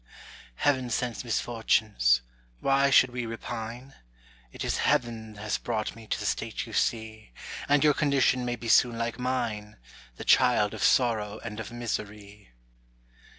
Heaven sends misfortunes, why should we repine? 'T is Heaven has brought me to the state you see: And your condition may be soon like mine, The child of sorrow and of misery.